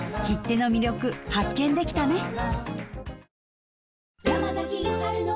切手の魅力発見できたね